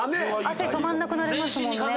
汗止まんなくなりますもんね。